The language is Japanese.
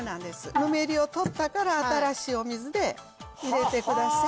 ぬめりを取ったから新しいお水で入れてください